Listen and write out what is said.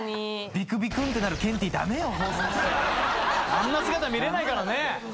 あんな姿見られないからね。